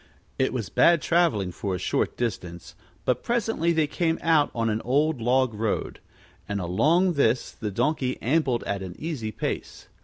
It was bad traveling for a short distance, but presently they came out on an old log road; and along this the Donkey ambled at an easy pace.